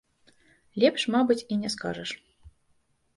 Лепш, мабыць, і не скажаш.